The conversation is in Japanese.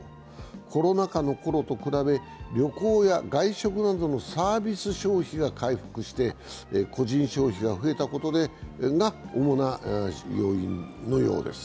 コロナ禍のころと比べ、旅行や外食などのサービス消費が回復して個人消費が増えたことが主な要因のようです。